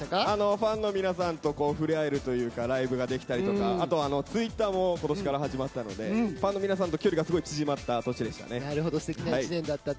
ファンの皆さんと触れ合えるというかライブができたりとかＴｗｉｔｔｅｒも今年から始まったのでファンの皆さんとすてきな１年だったと。